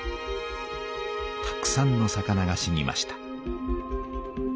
たくさんの魚が死にました。